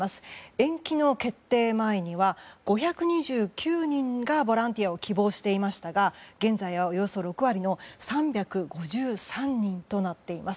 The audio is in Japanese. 延期の決定前には５２９人がボランティアを希望していましたが現在はおよそ６割の３５３人となっています。